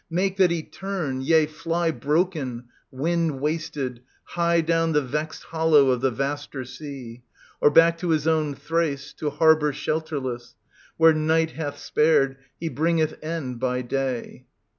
Make that he turn, yea, fly Broken, wind wasted, high Down the vexed hollow of the Vaster Sea ; Or back to his own Thrace, To harbour shelterless. Where Night hath spared, he bringeth end by day.